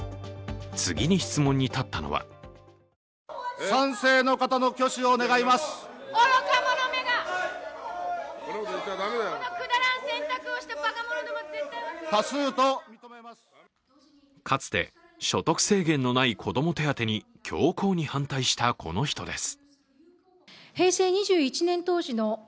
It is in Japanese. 次に質問に立ったのはかつて、所得制限のない子ども手当に強硬に反対したこの人です。